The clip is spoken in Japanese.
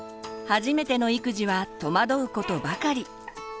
初めての育児は戸惑うことばかり。